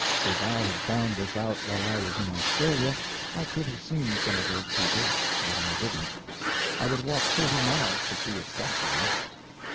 If I had found this out while I was in Australia I could have seen some of those people but I didn't. I would walk thirty miles to see a stuffed one.